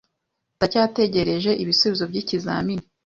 Ndacyategereje ibisubizo byikizamini.